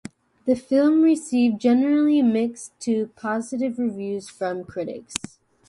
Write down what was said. The film received generally mixed to positive reviews from critics.